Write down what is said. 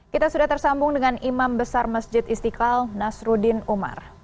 kita sudah tersambung dengan imam besar masjid istiqlal nasruddin umar